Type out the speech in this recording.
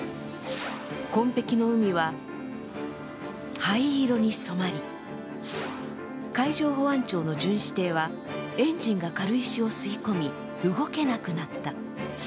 紺碧の海は灰色に染まり、海上保安庁の巡視艇はエンジンが軽石を吸い込み動けなくなった。